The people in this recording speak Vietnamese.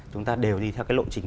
chúng ta đều đi theo cái lộ trình